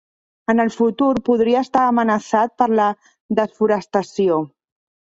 En el futur podria estar amenaçat per la desforestació.